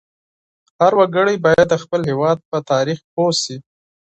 هر وګړی باید د خپل هېواد په تاریخ پوه سي.